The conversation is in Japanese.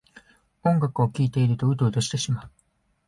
音楽を聴いているとウトウトしてしまう